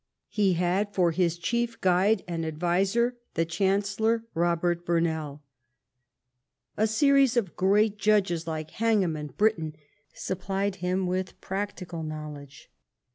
He had for his chief guide and adviser the chancellor Kobert Burnell. A series of great judges like Hengham and Britton supplied him with practical knowledge.